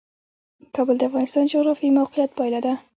کابل د افغانستان د جغرافیایي موقیعت پایله ده.